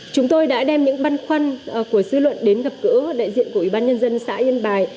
chúng tôi đã đem những băn khoăn của dư luận đến gặp gỡ đại diện của ủy ban nhân dân xã yên bài